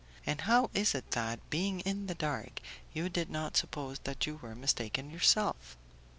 And how is it that, being in the dark, you did not suppose that you were mistaken yourself?"